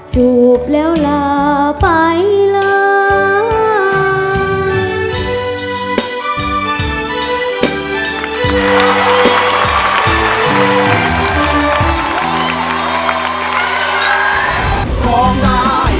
จูบแล้วลาไปเลย